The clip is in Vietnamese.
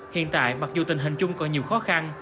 hiện tại mặc dù tình hình chung còn nhiều khó khăn